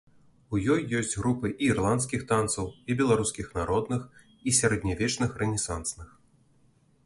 У ёй ёсць групы і ірландскіх танцаў, і беларускіх народных, і сярэднявечных рэнесансных.